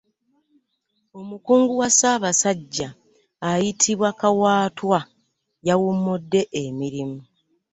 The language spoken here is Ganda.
Omukungu wa Ssaabasajja ayitibwa Kawaatwa yawummudde emirimu.